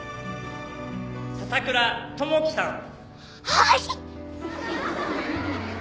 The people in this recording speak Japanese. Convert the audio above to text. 笹倉友樹さん。はひ。